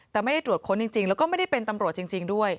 แต่ไม่ได้ตรวจค้นจริงแล้วก็ไม่ได้เป็นตำรวจจริงด้วย